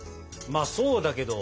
まあそうだけど。